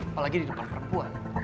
apalagi di tempat perempuan